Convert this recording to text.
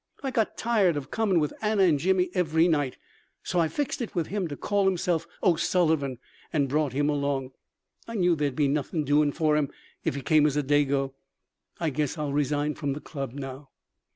I got tired of comin' with Anna and Jimmy every night, so I fixed it with him to call himself O'Sullivan, and brought him along. I knew there'd be nothin' doin' for him if he came as a Dago. I guess I'll resign from the club now."